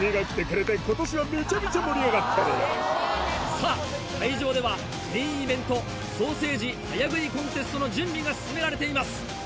さぁ会場ではメインイベントソーセージ早食いコンテストの準備が進められています。